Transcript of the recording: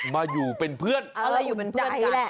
มาอยู่เป็นเพื่อนเอออยู่เป็นเพื่อนกัน